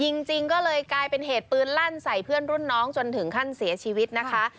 จริงก็เลยกลายเป็นเหตุปืนลั่นใส่เพื่อนรุ่นน้องจนถึงขั้นเสียชีวิตนะคะ